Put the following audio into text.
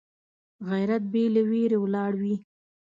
غیرت بې له ویرې ولاړ وي